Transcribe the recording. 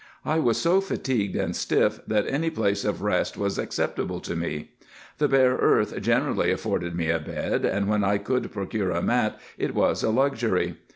I was so fatigued and stiff, that any place of rest was acceptable to me. The bare earth generally afforded me a bed, and when I could procure a mat it was a luxury.